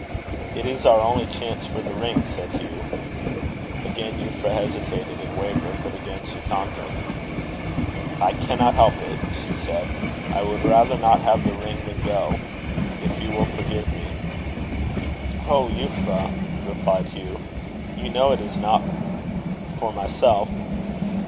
"It is our only chance for the ring," said Hugh. Again Euphra hesitated and wavered; but again she conquered. "I cannot help it," she said. "I would rather not have the ring than go if you will forgive me." "Oh, Euphra!" replied Hugh. "You know it is not for myself."